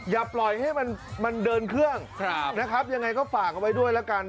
อย่าปล่อยให้มันเดินเครื่องนะครับยังไงก็ฝากเอาไว้ด้วยแล้วกัน